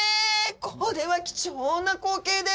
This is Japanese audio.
これは貴重な光景です。